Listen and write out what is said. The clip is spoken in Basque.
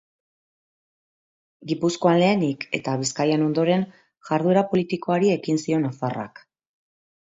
Gipuzkoan, lehenik, eta Bizkaian, ondoren, jarduera politikoari ekin zion nafarrak.